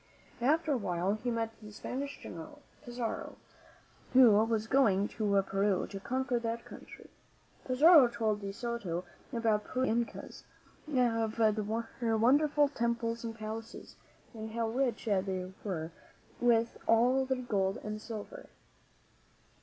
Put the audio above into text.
After a while he met the Spanish General, Pizarro, who was going to Peru to conquer that country, Pizarro told De Soto about Peru and the Incas, of their wonder ful temples and palaces, and how rich they were with all their gold and silver.